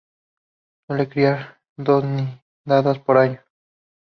Suele criar dos nidadas por año.